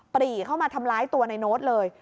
ปรีเข้ามาทำร้ายตัวในโน้ตเลย